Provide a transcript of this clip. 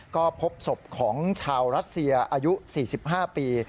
ก็พบศพของชาวรัสเซียอายุ๔๕ปี